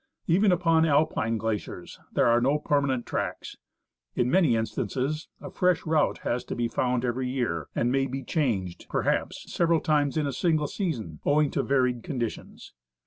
Even upon Alpine glaciers there are no permanent tracks ; in many instances a fresh route has to be found every year — and may be changed, perhaps, several times in a single season, owing to varied conditions.